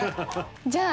じゃあ。